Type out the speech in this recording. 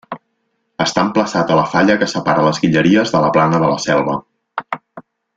Està emplaçat a la falla que separa les Guilleries de la plana de la Selva.